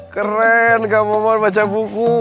keren gak mau mau baca buku